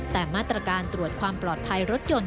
แต่มาตรการตรวจความปลอดภัยรถยนต์